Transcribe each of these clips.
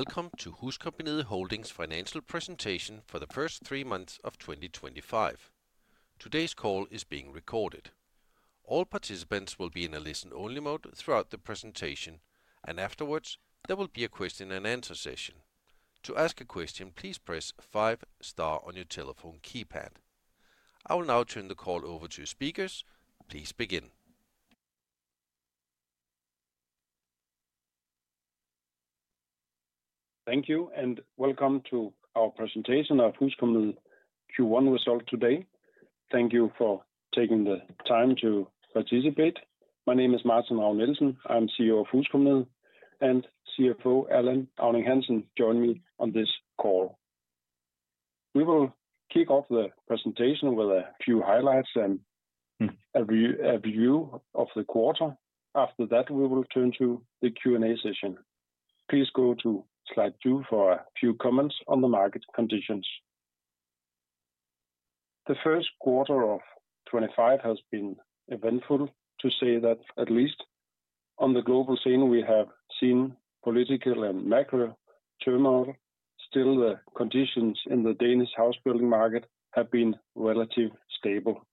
Welcome to HusCompagniet Holdings' Financial Presentation for the first three months of 2025. Today's call is being recorded. All participants will be in a listen-only mode throughout the presentation, and afterwards, there will be a question-and-answer session. To ask a question, please press five star on your telephone keypad. I will now turn the call over to your speakers. Please begin. Thank you, and welcome to our presentation of HusCompagniet Q1 result today. Thank you for taking the time to participate. My name is Martin Ravn-Nielsen, I'm CEO of HusCompagniet, and CFO Allan Auning-Hansen joins me on this call. We will kick off the presentation with a few highlights and a view of the quarter. After that, we will turn to the Q&A session. Please go to slide two for a few comments on the market conditions. The first quarter of 2025 has been eventful, to say that at least on the global scene, we have seen political and macro turmoil. Still, the conditions in the Danish housebuilding market have been relatively stable.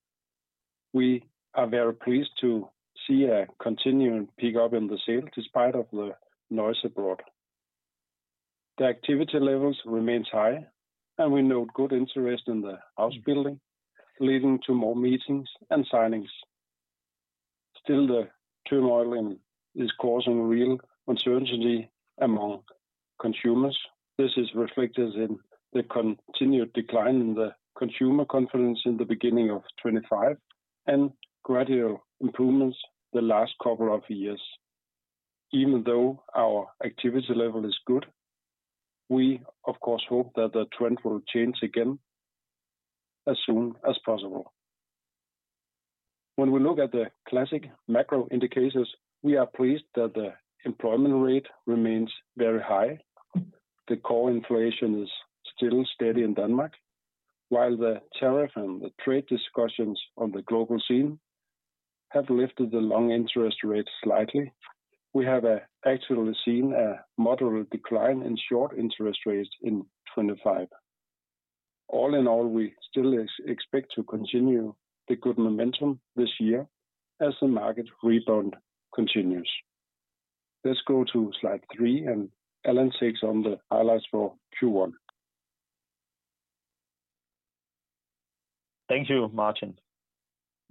We are very pleased to see a continuing pickup in the sales despite the noise abroad. The activity levels remain high, and we note good interest in the housebuilding, leading to more meetings and signings. Still, the turmoil is causing real uncertainty among consumers. This is reflected in the continued decline in the consumer confidence in the beginning of 2025 and gradual improvements the last couple of years. Even though our activity level is good, we, of course, hope that the trend will change again as soon as possible. When we look at the classic macro indicators, we are pleased that the employment rate remains very high. The core inflation is still steady in Denmark, while the tariff and the trade discussions on the global scene have lifted the long interest rate slightly. We have actually seen a moderate decline in short interest rates in 2025. All in all, we still expect to continue the good momentum this year as the market rebound continues. Let's go to slide three, and Allan takes on the highlights for Q1. Thank you, Martin.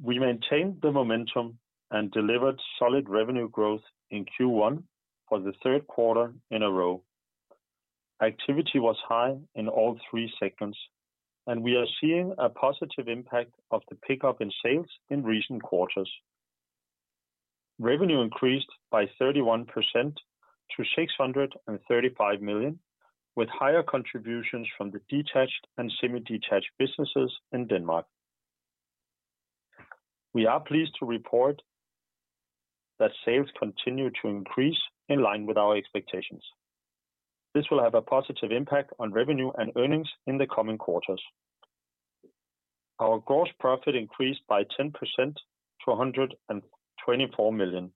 We maintained the momentum and delivered solid revenue growth in Q1 for the third quarter in a row. Activity was high in all three segments, and we are seeing a positive impact of the pickup in sales in recent quarters. Revenue increased by 31% to 635 million, with higher contributions from the detached and semi-detached businesses in Denmark. We are pleased to report that sales continue to increase in line with our expectations. This will have a positive impact on revenue and earnings in the coming quarters. Our gross profit increased by 10% to 124 million,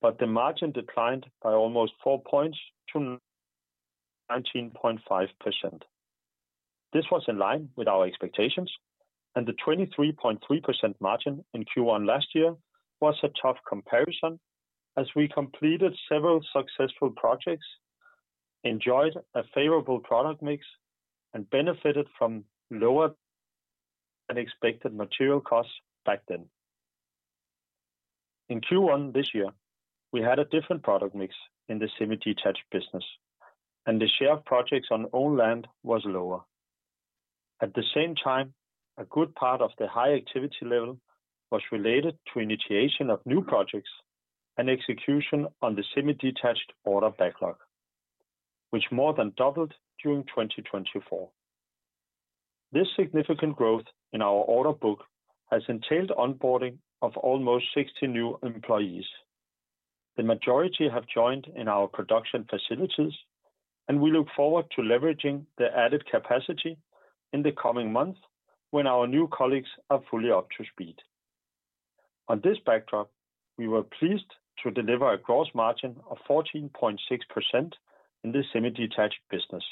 but the margin declined by almost 4 percentage points to 19.5%. This was in line with our expectations, and the 23.3% margin in Q1 last year was a tough comparison as we completed several successful projects, enjoyed a favorable product mix, and benefited from lower than expected material costs back then. In Q1 this year, we had a different product mix in the semi-detached business, and the share of projects on own land was lower. At the same time, a good part of the high activity level was related to initiation of new projects and execution on the semi-detached order backlog, which more than doubled during 2024. This significant growth in our order book has entailed onboarding of almost 60 new employees. The majority have joined in our production facilities, and we look forward to leveraging the added capacity in the coming months when our new colleagues are fully up to speed. On this backdrop, we were pleased to deliver a gross margin of 14.6% in the semi-detached business.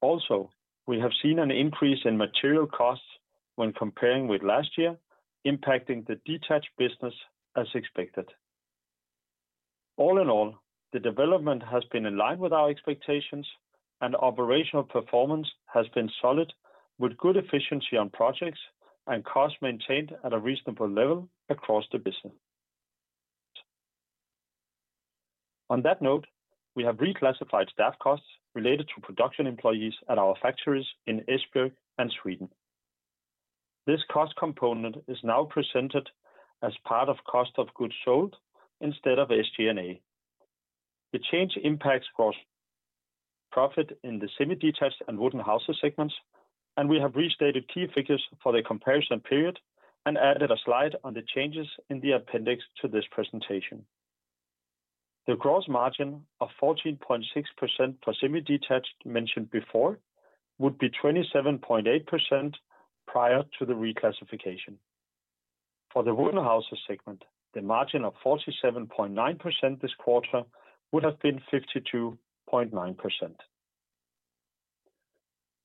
Also, we have seen an increase in material costs when comparing with last year, impacting the detached business as expected. All in all, the development has been in line with our expectations, and operational performance has been solid, with good efficiency on projects and costs maintained at a reasonable level across the business. On that note, we have reclassified staff costs related to production employees at our factories in Esbjerg and Sweden. This cost component is now presented as part of cost of goods sold instead of SG&A. The change impacts gross profit in the semi-detached and wooden houses segments, and we have restated key figures for the comparison period and added a slide on the changes in the appendix to this presentation. The gross margin of 14.6% for semi-detached mentioned before would be 27.8% prior to the reclassification. For the wooden houses segment, the margin of 47.9% this quarter would have been 52.9%.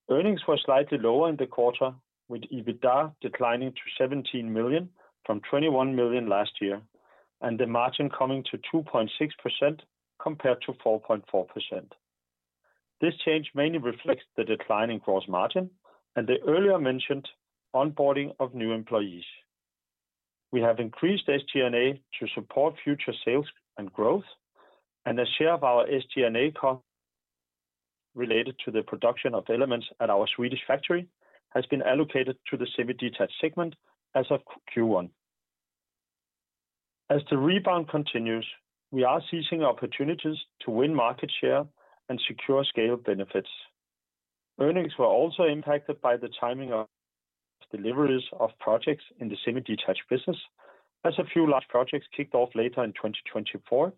Earnings were slightly lower in the quarter, with EBITDA declining to 17 million from 21 million last year and the margin coming to 2.6% compared to 4.4%. This change mainly reflects the declining gross margin and the earlier mentioned onboarding of new employees. We have increased SG&A to support future sales and growth, and a share of our SG&A costs related to the production of elements at our Swedish factory has been allocated to the semi-detached segment as of Q1. As the rebound continues, we are seizing opportunities to win market share and secure scale benefits. Earnings were also impacted by the timing of deliveries of projects in the semi-detached business, as a few large projects kicked off later in 2024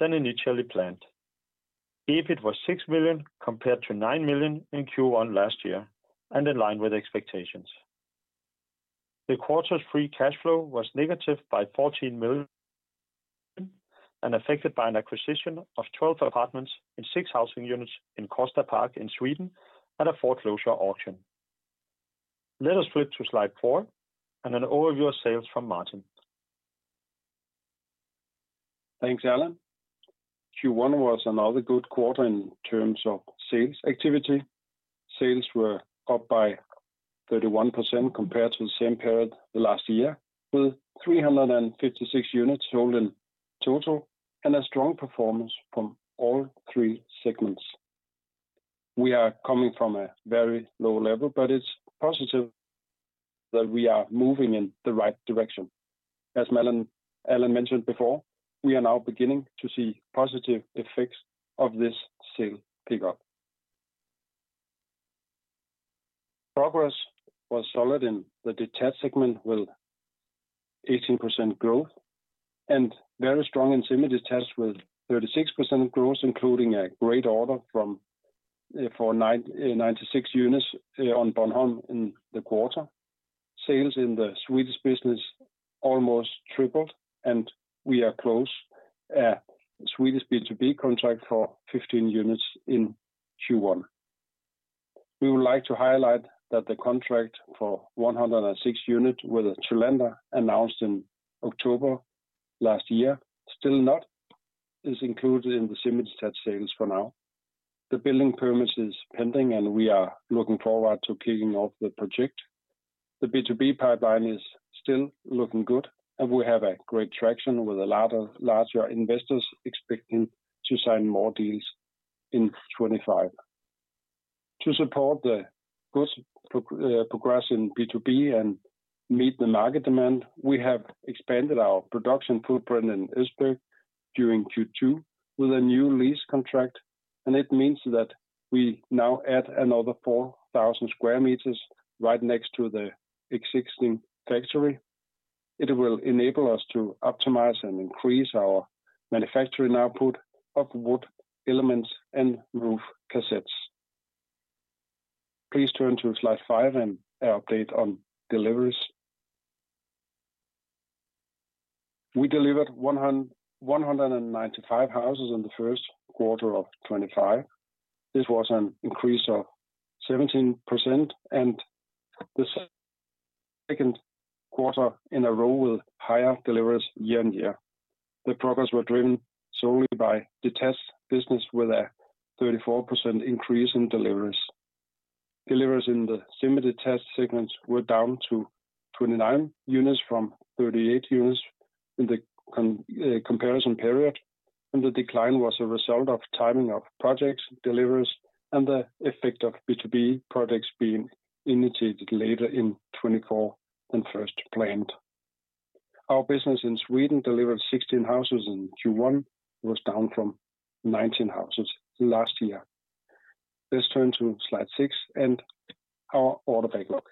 than initially planned. EBIT was 6 million compared to 9 million in Q1 last year and in line with expectations. The quarter's free cash flow was negative by 14 million and affected by an acquisition of 12 apartments in six housing units in Kosta Park in Sweden at a foreclosure auction. Let us flip to slide four and an overview of sales from Martin. Thanks, Allan. Q1 was another good quarter in terms of sales activity. Sales were up by 31% compared to the same period last year, with 356 units sold in total and a strong performance from all three segments. We are coming from a very low level, but it's positive that we are moving in the right direction. As Allan mentioned before, we are now beginning to see positive effects of this sale pickup. Progress was solid in the detached segment with 18% growth and very strong in semi-detached with 36% growth, including a great order for 96 units on Bornholm in the quarter. Sales in the Swedish business almost tripled, and we are close to a Swedish B2B contract for 15 units in Q1. We would like to highlight that the contract for 106 units with Tjolanda announced in October last year is still not included in the semi-detached sales for now. The building permit is pending, and we are looking forward to kicking off the project. The B2B pipeline is still looking good, and we have great traction with larger investors expecting to sign more deals in 2025. To support the good progress in B2B and meet the market demand, we have expanded our production footprint in Esbjerg during Q2 with a new lease contract, and it means that we now add another 4,000 sq m right next to the existing factory. It will enable us to optimize and increase our manufacturing output of wood elements and roof cassettes. Please turn to slide five and an update on deliveries. We delivered 195 houses in the first quarter of 2025. This was an increase of 17%, and the second quarter in a row with higher deliveries year-on-year. The progress was driven solely by detached business with a 34% increase in deliveries. Deliveries in the semi-detached segments were down to 29 units from 38 units in the comparison period, and the decline was a result of timing of project deliveries and the effect of B2B projects being initiated later in 2024 than first planned. Our business in Sweden delivered 16 houses in Q1, was down from 19 houses last year. Let's turn to slide six and our order backlog.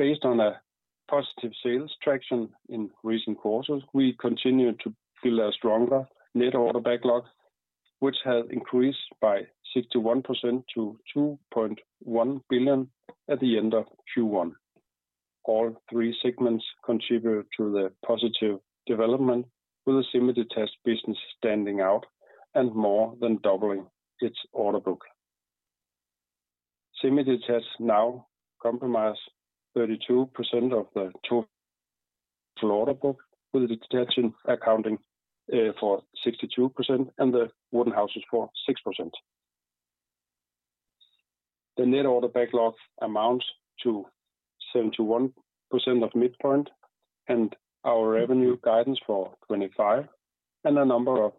Based on a positive sales traction in recent quarters, we continued to build a stronger net order backlog, which has increased by 61% to 2.1 billion at the end of Q1. All three segments contribute to the positive development, with the semi-detached business standing out and more than doubling its order book. Semi-detached now comprises 32% of the total order book, with the detached accounting for 62% and the wooden houses for 6%. The net order backlog amounts to 71% of midpoint, and our revenue guidance for 2025 and a number of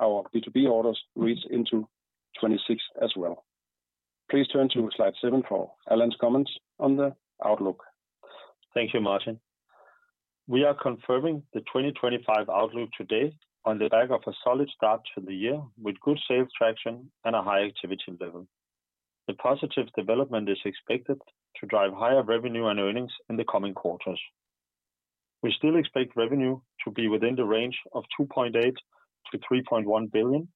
our B2B orders reach into 2026 as well. Please turn to slide seven for Allan's comments on the outlook. Thank you, Martin. We are confirming the 2025 outlook today on the back of a solid start to the year with good sales traction and a high activity level. The positive development is expected to drive higher revenue and earnings in the coming quarters. We still expect revenue to be within the range of 2.8 billion-3.1 billion,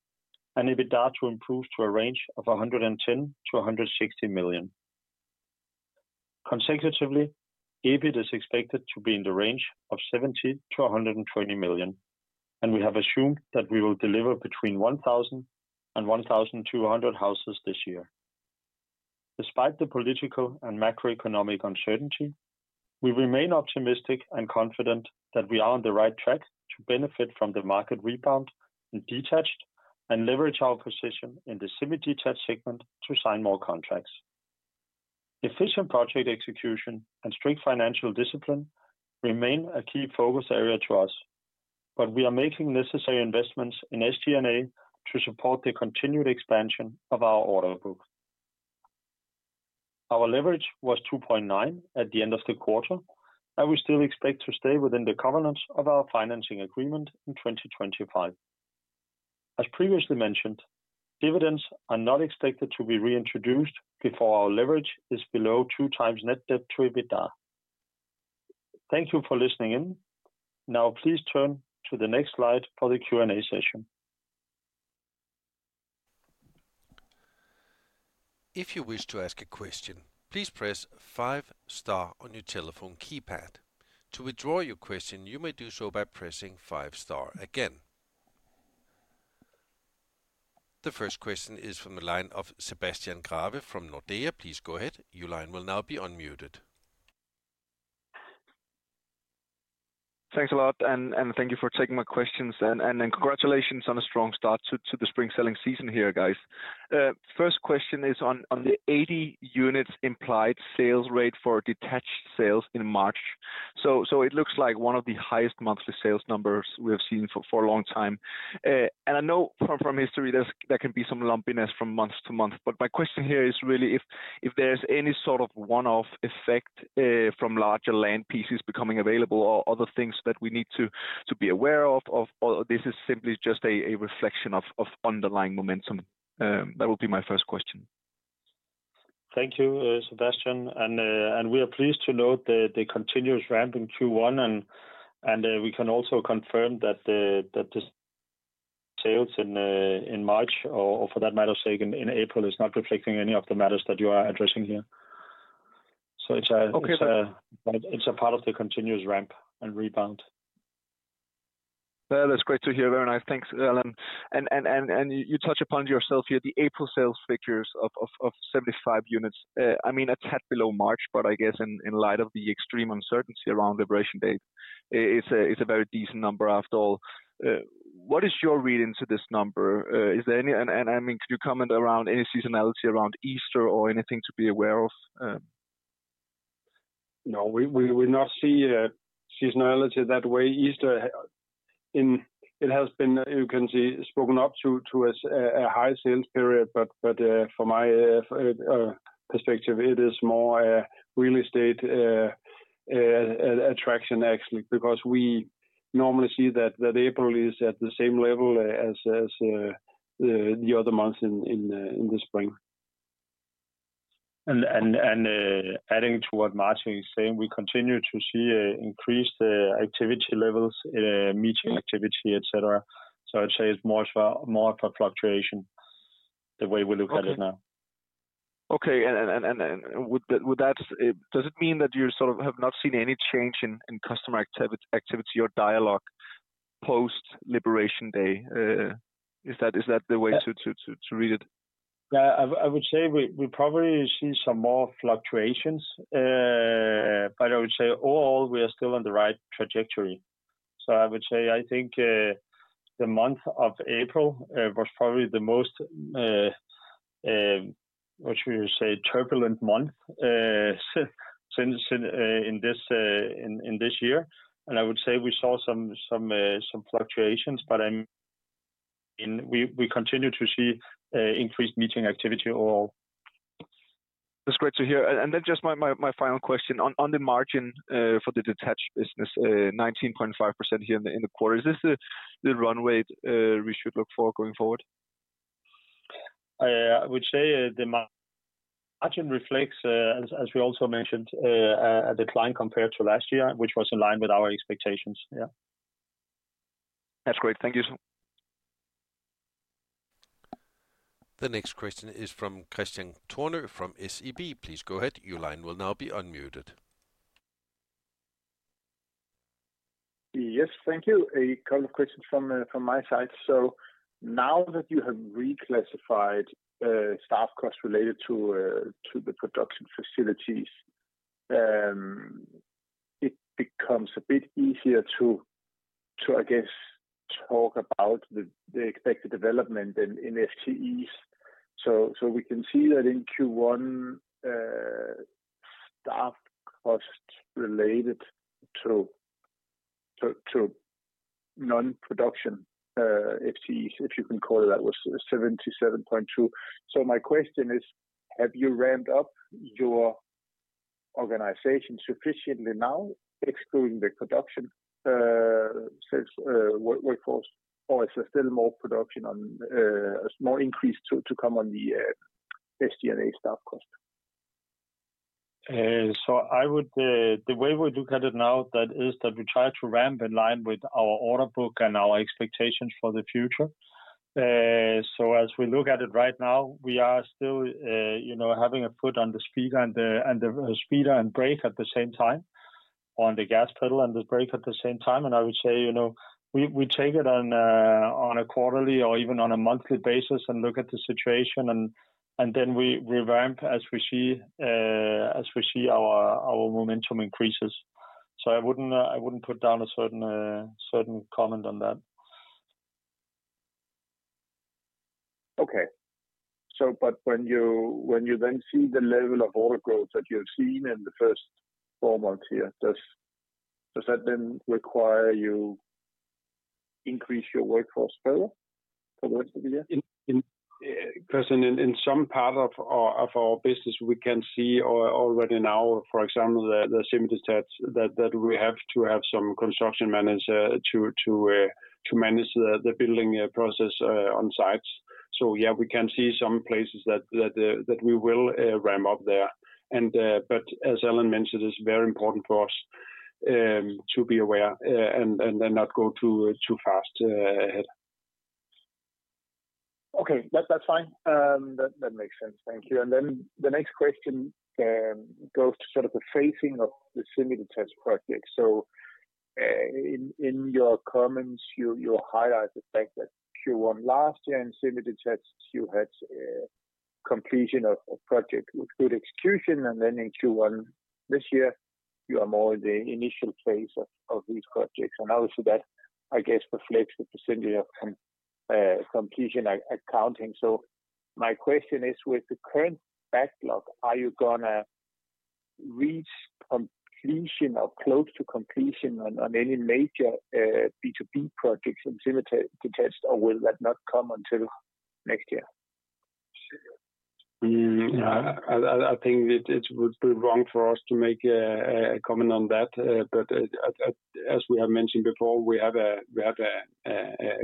and EBITDA to improve to a range of 110 million-160 million. Consecutively, EBIT is expected to be in the range of 70 million-120 million, and we have assumed that we will deliver between 1,000 and 1,200 houses this year. Despite the political and macroeconomic uncertainty, we remain optimistic and confident that we are on the right track to benefit from the market rebound in detached and leverage our position in the semi-detached segment to sign more contracts. Efficient project execution and strict financial discipline remain a key focus area to us, but we are making necessary investments in SG&A to support the continued expansion of our order book. Our leverage was 2.9 at the end of the quarter, and we still expect to stay within the covenants of our financing agreement in 2025. As previously mentioned, dividends are not expected to be reintroduced before our leverage is below 2x net debt to EBITDA. Thank you for listening in. Now, please turn to the next slide for the Q&A session. If you wish to ask a question, please press five star on your telephone keypad. To withdraw your question, you may do so by pressing five star again. The first question is from the line of Sebastian Grave from Nordea. Please go ahead. Your line will now be unmuted. Thanks a lot, and thank you for taking my questions, and congratulations on a strong start to the spring selling season here, guys. First question is on the 80 units implied sales rate for detached sales in March. It looks like one of the highest monthly sales numbers we have seen for a long time. I know from history there can be some lumpiness from month-to-month, but my question here is really if there's any sort of one-off effect from larger land pieces becoming available or other things that we need to be aware of, or if this is simply just a reflection of underlying momentum. That will be my first question. Thank you, Sebastian. We are pleased to note the continuous ramp in Q1, and we can also confirm that the sales in March, or for that matter's sake, in April is not reflecting any of the matters that you are addressing here. It is a part of the continuous ramp and rebound. That's great to hear. Thanks, Allan. You touch upon yourself here, the April sales figures of 75 units. I mean, a tad below March, but I guess in light of the extreme uncertainty around liberation date, it's a very decent number after all. What is your reading to this number? Is there any, I mean, could you comment around any seasonality around Easter or anything to be aware of? No, we will not see seasonality that way. Easter, it has been, you can see, spoken up to as a high sales period, but from my perspective, it is more a real estate attraction, actually, because we normally see that April is at the same level as the other months in the spring. Adding to what Martin is saying, we continue to see increased activity levels in meeting activity, etc. I'd say it's more of a fluctuation the way we look at it now. Okay. Does it mean that you sort of have not seen any change in customer activity or dialogue post-liberation day? Is that the way to read it? Yeah, I would say we probably see some more fluctuations, but I would say we are still on the right trajectory. I think the month of April was probably the most, what should we say, turbulent month in this year. I would say we saw some fluctuations, but we continue to see increased meeting activity overall. That's great to hear. Just my final question. On the margin for the detached business, 19.5% here in the quarter, is this the run rate we should look for going forward? I would say the margin reflects, as we also mentioned, a decline compared to last year, which was in line with our expectations. Yeah. That's great. Thank you. The next question is from Christian Torner from SEB. Please go ahead. Your line will now be unmuted. Yes, thank you. A couple of questions from my side. Now that you have reclassified staff costs related to the production facilities, it becomes a bit easier to, I guess, talk about the expected development in FTEs. We can see that in Q1, staff costs related to non-production FTEs, if you can call it that, was 77.2 million. My question is, have you ramped up your organization sufficiently now, excluding the production workforce? Or is there still more production on, more increase to come on the SG&A staff cost? The way we look at it now is that we try to ramp in line with our order book and our expectations for the future. As we look at it right now, we are still having a foot on the gas pedal and the brake at the same time. I would say we take it on a quarterly or even on a monthly basis and look at the situation, and then we ramp as we see our momentum increases. I would not put down a certain comment on that. Okay. When you then see the level of order growth that you've seen in the first four months here, does that then require you to increase your workforce further for the rest of the year? In some part of our business, we can see already now, for example, the semi-detached that we have to have some construction manager to manage the building process on sites. Yeah, we can see some places that we will ramp up there. As Allan mentioned, it's very important for us to be aware and not go too fast ahead. Okay, that's fine. That makes sense. Thank you. The next question goes to sort of the phasing of the semi-detached projects. In your comments, you highlight the fact that Q1 last year in semi-detached, you had completion of project with good execution, and then in Q1 this year, you are more in the initial phase of these projects. Also, that, I guess, reflects the perentage of completion accounting. My question is, with the current backlog, are you going to reach completion or close to completion on any major B2B projects in semi-detached, or will that not come until next year? I think it would be wrong for us to make a comment on that, but as we have mentioned before, we have a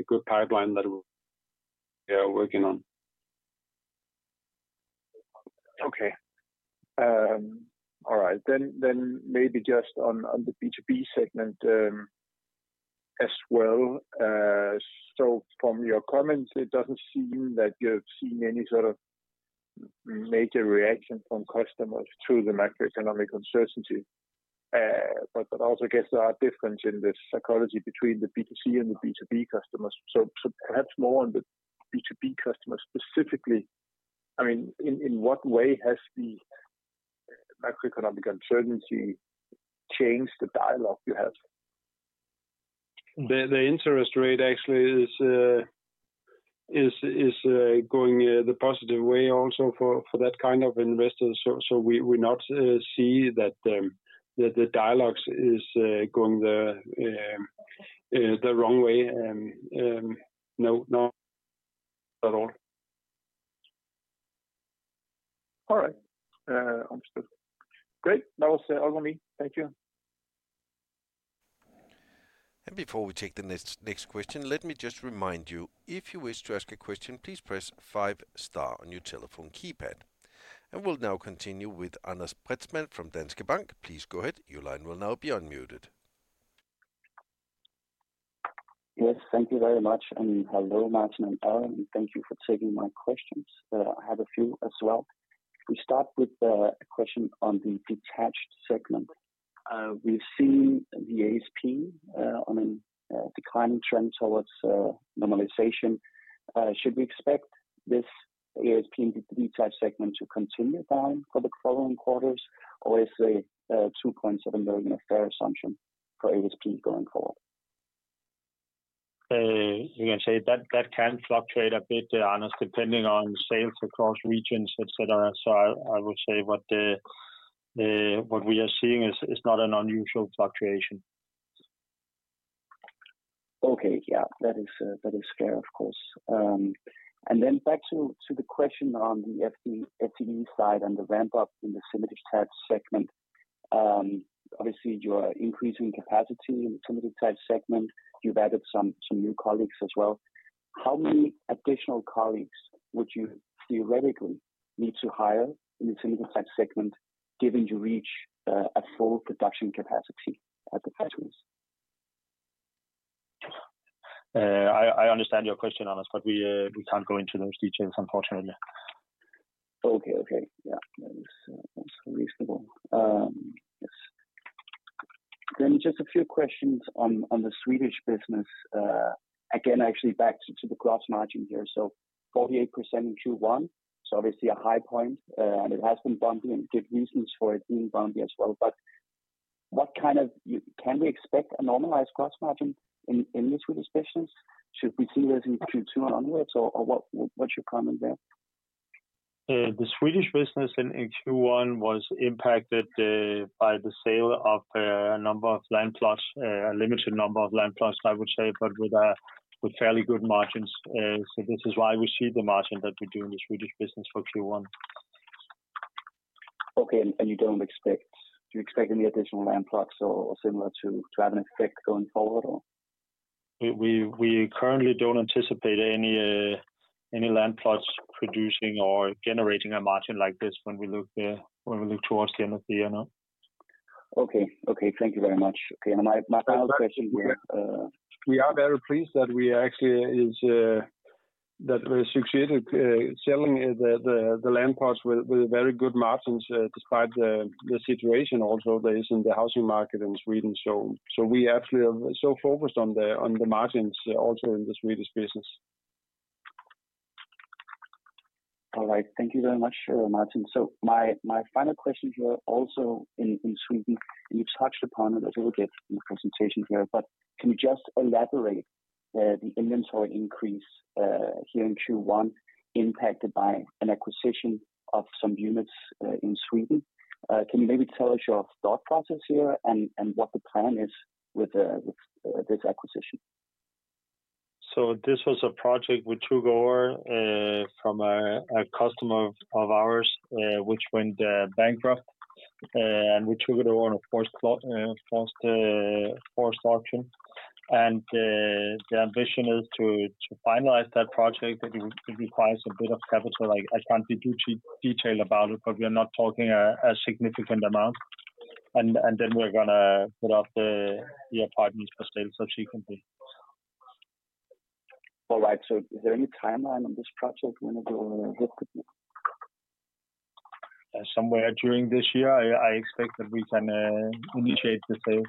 good pipeline that we are working on. Okay. All right. Then maybe just on the B2B segment as well. From your comments, it does not seem that you have seen any sort of major reaction from customers to the macroeconomic uncertainty. I also guess there are differences in the psychology between the B2C and the B2B customers. Perhaps more on the B2B customers specifically. I mean, in what way has the macroeconomic uncertainty changed the dialogue you have? The interest rate actually is going the positive way also for that kind of investor. So we do not see that the dialogue is going the wrong way. No, not at all. All right. Understood. Great. That was all for me. Thank you. Before we take the next question, let me just remind you, if you wish to ask a question, please press star five on your telephone keypad. We'll now continue with Martin Spretzmann from Danske Bank. Please go ahead. Your line will now be unmuted. Yes, thank you very much. Hello, Martin and Allan. Thank you for taking my questions. I have a few as well. We start with a question on the detached segment. We've seen the ASP on a declining trend towards normalization. Should we expect this ASP in the detached segment to continue down for the following quarters, or is the 2.7 million a fair assumption for ASP going forward? Again, that can fluctuate a bit, Allan, depending on sales across regions, etc. I would say what we are seeing is not an unusual fluctuation. Okay. Yeah, that is fair, of course. Then back to the question on the FTE side and the ramp-up in the semi-detached segment. Obviously, you are increasing capacity in the semi-detached segment. You have added some new colleagues as well. How many additional colleagues would you theoretically need to hire in the semi-detached segment given you reach a full production capacity at the present? I understand your question, Allan, but we can't go into those details, unfortunately. Okay. Yeah, that's reasonable. Then just a few questions on the Swedish business. Again, actually back to the gross margin here. So 48% in Q1, obviously a high point, and it has been bumpy and good reasons for it being bumpy as well. Can we expect a normalized gross margin in the Swedish business? Should we see this in Q2 and onwards, or what's your comment there? The Swedish business in Q1 was impacted by the sale of a number of land plots, a limited number of land plots, I would say, but with fairly good margins. This is why we see the margin that we do in the Swedish business for Q1. Okay. You don't expect, do you expect any additional land plots or similar to have an effect going forward at all? We currently don't anticipate any land plots producing or generating a margin like this when we look towards the end of the year. Okay. Thank you very much. Okay. My final question here. We are very pleased that we actually succeeded in selling the land plots with very good margins despite the situation also that is in the housing market in Sweden. We actually are so focused on the margins also in the Swedish business. All right. Thank you very much, Martin. My final question here also in Sweden, and you touched upon it a little bit in the presentation here, but can you just elaborate the inventory increase here in Q1 impacted by an acquisition of some units in Sweden? Can you maybe tell us your thought process here and what the plan is with this acquisition? This was a project we took over from a customer of ours, which went bankrupt. We took it over on a forced auction. The ambition is to finalize that project. It requires a bit of capital. I can't be too detailed about it, but we are not talking a significant amount. We are going to put up the apartments for sale subsequently. All right. Is there any timeline on this project when it will hit the books? Somewhere during this year, I expect that we can initiate the sale.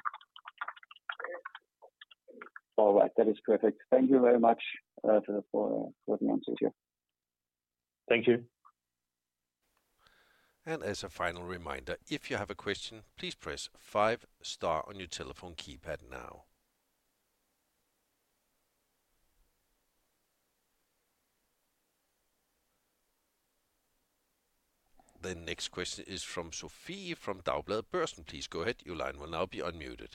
All right. That is perfect. Thank you very much for the answers here. Thank you. As a final reminder, if you have a question, please press star five on your telephone keypad now. The next question is from Sophie from Dagbladet Børsen. Please go ahead. Your line will now be unmuted.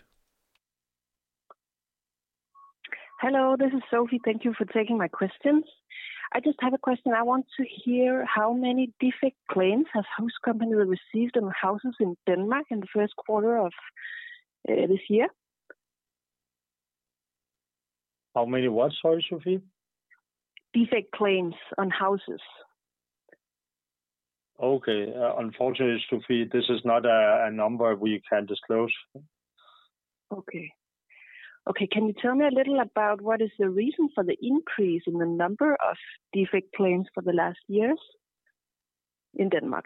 Hello, this is Sophie. Thank you for taking my questions. I just have a question. I want to hear how many defect claims has HusCompagniet received on houses in Denmark in the first quarter of this year? How many what? Sorry, Sophie? Defect claims on houses. Okay. Unfortunately, Sophie, this is not a number we can disclose. Okay. Can you tell me a little about what is the reason for the increase in the number of defect claims for the last years in Denmark?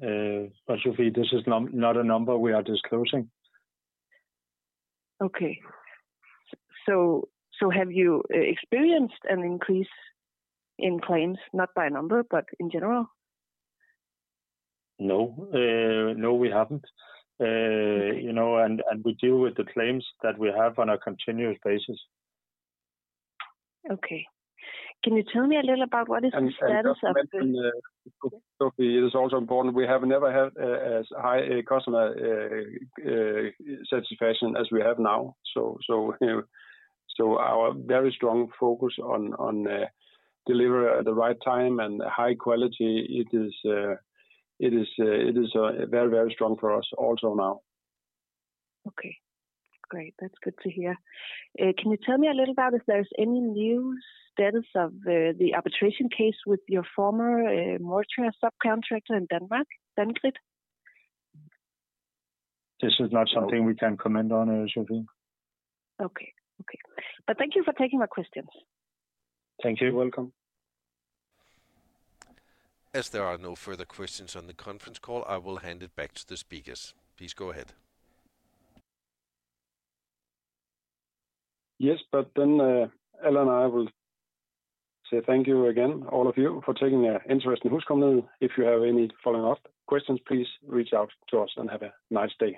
Sophie, this is not a number we are disclosing. Okay. Have you experienced an increase in claims, not by a number, but in general? No. No, we haven't. We deal with the claims that we have on a continuous basis. Okay. Can you tell me a little about what is the status of the? Sophie, it is also important. We have never had as high customer satisfaction as we have now. Our very strong focus on delivery at the right time and high quality, it is very, very strong for us also now. Okay. Great. That's good to hear. Can you tell me a little about if there's any new status of the arbitration case with your former mortgage subcontractor in Denmark, DanGrid? This is not something we can comment on, Sophie. Okay. Thank you for taking my questions. Thank you. You're welcome. As there are no further questions on the conference call, I will hand it back to the speakers. Please go ahead. Yes, but then Allan and I will say thank you again, all of you, for taking an interest in HusCompagniet. If you have any following-up questions, please reach out to us and have a nice day.